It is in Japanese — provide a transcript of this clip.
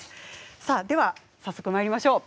さあでは早速まいりましょう。